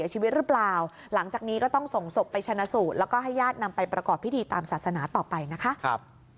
หลังจากนี้ก็ต้องส่งศพไปชนะสู่แล้วก็ให้ญาตินำไปประกอบพิธีตามศาสนาต่อไปนะคะ